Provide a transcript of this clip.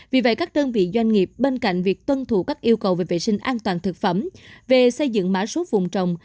vì vậy các đơn vị doanh nghiệp bên cạnh việc tuân thủ các yêu cầu về vệ sinh an toàn thực phẩm về xây dựng mã số vùng trồng